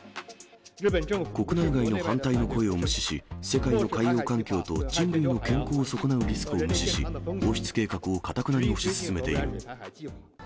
国内外の反対の声を無視し、世界の海洋環境と人類の健康を損なうリスクを無視し、放出計画をかたくなに推し進めている。